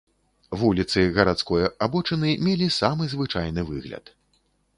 Вуліцы гарадской абочыны мелі самы звычайны выгляд.